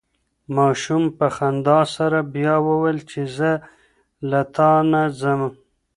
ماشوم په خندا سره بیا وویل چې زه له تا نه ځم.